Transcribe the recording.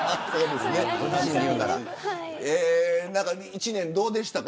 １年どうでしたか。